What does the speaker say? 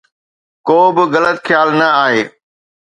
ڪو به غلط خيال نه آهي